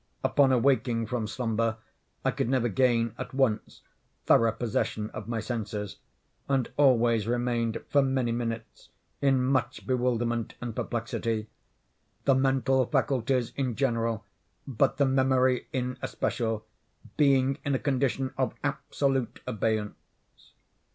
Upon awaking from slumber, I could never gain, at once, thorough possession of my senses, and always remained, for many minutes, in much bewilderment and perplexity—the mental faculties in general, but the memory in especial, being in a condition of absolute abeyance.